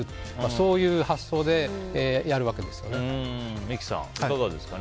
そういう発想で三木さん、いかがですかね。